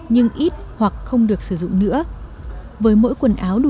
nhưng ít hoặc không được sử dụng nữa với mỗi quần áo đủ